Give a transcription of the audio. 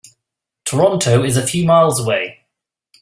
Toronto is a few miles away.